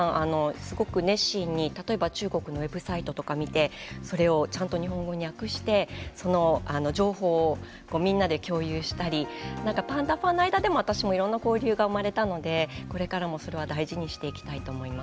すごく熱心に例えば中国のウェブサイトとか見てそれをちゃんと日本語に訳してその情報をみんなで共有したりパンダファンの間でも私もいろんな交流が生まれたのでこれからもそれは大事にしていきたいと思います。